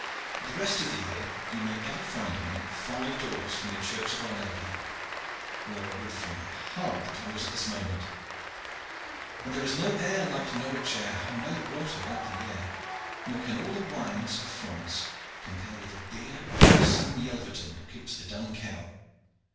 The rest of the year you may ever find me five doors from the church of Our Lady, where I would from my heart that I was at this moment, for there is no air like Norwich air, and no water like the Yare, nor can all the wines of France compare with the beer of old Sam Yelverton who keeps the 'Dun Cow.'